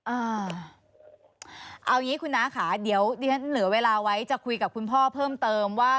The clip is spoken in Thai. เอาอย่างนี้คุณน้าค่ะเดี๋ยวดิฉันเหลือเวลาไว้จะคุยกับคุณพ่อเพิ่มเติมว่า